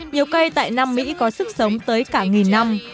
nhiều cây tại nam mỹ có sức sống tới cả nghìn năm